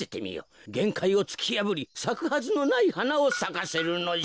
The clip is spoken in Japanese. げんかいをつきやぶりさくはずのないはなをさかせるのじゃ。